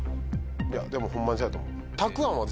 いやでもホンマにそうやと思う。